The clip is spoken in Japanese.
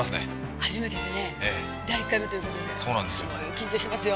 初めてでね第１回目ということで緊張してますよ